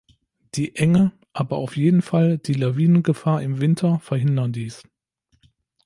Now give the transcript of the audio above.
Die Enge, aber auf jeden Fall die Lawinengefahr im Winter, verhindern dies.